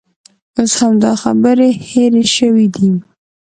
اوس همدا خبرې هېرې شوې دي.